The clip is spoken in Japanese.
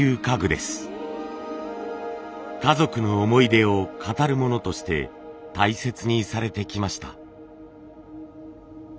家族の思い出を語るものとして大切にされてきました。